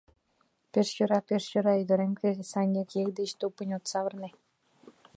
— Пеш йӧра, пеш йӧра, ӱдырем, кресаньык еҥ деч тупынь от савырне.